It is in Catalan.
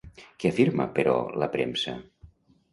Què afirma, però, la premsa?